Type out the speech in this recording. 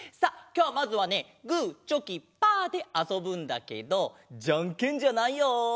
きょうまずはねグーチョキパーであそぶんだけどじゃんけんじゃないよ。